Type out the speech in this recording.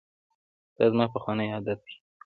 دا زما پخوانی عادت دی.